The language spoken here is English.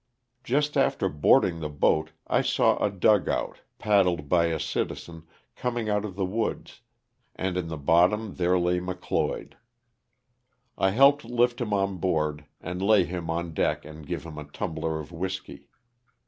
Just after boarding the boat, I saw a "dugout/' 122 LOSS OF THE SULTANA. paddled by a citizen, coming out of the woods, and in the bottom there lay McLoyd. I helped lift him on board and lay him ou deck and gave him a tumbler of whisky.